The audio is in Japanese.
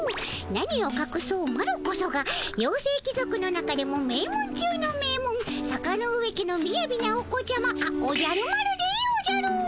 何をかくそうマロこそが妖精貴族の中でも名門中の名門坂ノ上家のみやびなお子ちゃまあおじゃる丸でおじゃる。